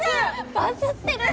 バズってる！